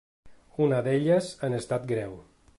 Una d’elles en estat greu.